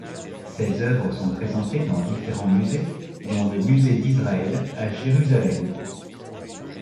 Ses œuvres sont présentées dans différents musées, dont le musée d'Israël à Jérusalem.